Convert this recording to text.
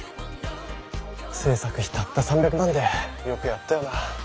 制作費たった３００万でよくやったよな。